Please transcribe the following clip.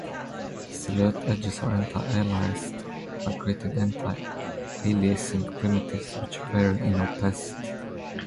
The silhouette edges are anti-aliased by creating anti-aliasing primitives which vary in opacity.